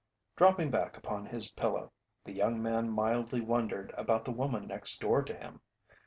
Dropping back upon his pillow, the young man mildly wondered about the woman next door to him.